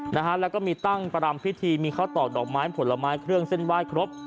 นะฮะแล้วก็มีตั้งประรำพิธีมีข้าวตอกดอกไม้ผลไม้เครื่องเส้นไหว้ครบ